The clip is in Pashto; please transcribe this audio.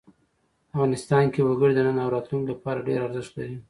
افغانستان کې وګړي د نن او راتلونکي لپاره ډېر ارزښت لري.